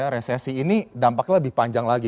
resesi ini dampaknya lebih panjang lagi